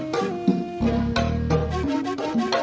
bersihkan lagi tusuk benere